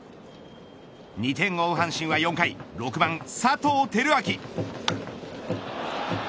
２点を追う阪神は４回、６番佐藤輝明。